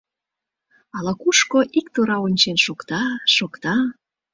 Ала-кушко ик тура ончен шокта-шокта...